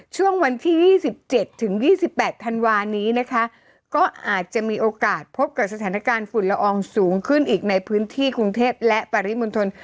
ช่วงวันที่๒๗ถึง๒๘ธันวานี้นะคะก็อาจจะมีโอกาสพบกับสถานการณ์ฝุ่นละอองสูงขึ้นอีกในพื้นที่กรุงเทพและปริมณฑล